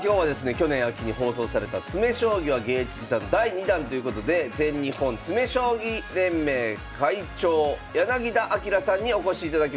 去年秋に放送された「詰将棋は芸術だ！」の第２弾ということで全日本詰将棋連盟会長柳田明さんにお越しいただきました。